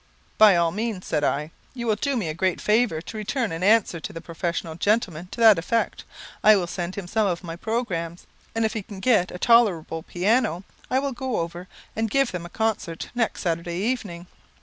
"By all means," said I. "You will do me a great favour to return an answer to the professional gentleman to that effect. I will send him some of my programmes, and if he can get a tolerable piano, I will go over and give them a concert next Saturday evening."